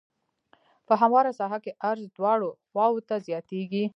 په همواره ساحه کې عرض دواړو خواوو ته زیاتیږي